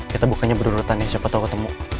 kita bukannya berurutan ya siapa tau ketemu